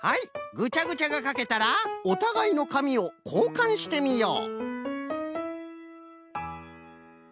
ぐちゃぐちゃがかけたらおたがいのかみをこうかんしてみよう。